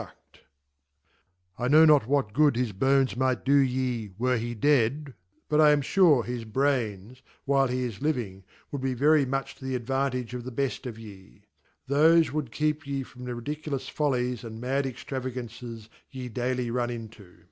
r«& I knm not what good his Bones might doye x were he dead ; $ut I am fure his Brains , while he is living ,: would be very much tojhe advantage of the bejl of ye : ihofe would keep ye from the y ridiculous Tollies "and mad Extravagancies ye daily Tun into.